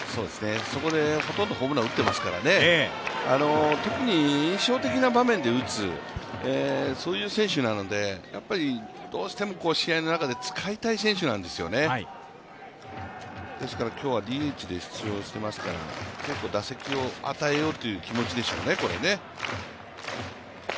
そこでほとんどホームラン打ってますからね、特に印象的な場面で打つ、そういう選手なので、どうしても試合の中で使いたい選手ですよねですから今日はＤＨで出場していますから打席を与えようという気持ちでしょうね。